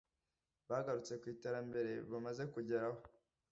bagarutse ku iterambere bamaze kugeraho